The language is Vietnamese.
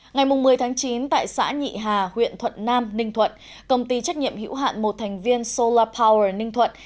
ngày một mươi tháng chín tại xã nhị hà huyện thuận nam ninh thuận công ty trách nhiệm hữu hạn một thành viên solar poure ninh thuận